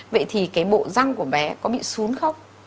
vậy thì cái bộ răng của bé có bị xuống không